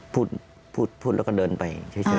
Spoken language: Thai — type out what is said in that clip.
พูดพูดพูดแล้วก็เดินไป